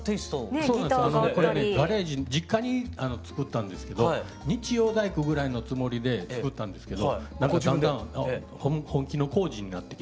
これねガレージ実家に作ったんですけど日曜大工ぐらいのつもりで作ったんですけど何かだんだん本気の工事になってきて。